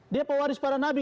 dia pewaris para nabi